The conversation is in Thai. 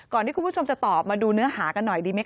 ที่คุณผู้ชมจะตอบมาดูเนื้อหากันหน่อยดีไหมค